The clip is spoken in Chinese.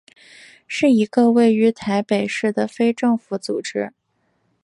是一个位于台北市的非政府组织。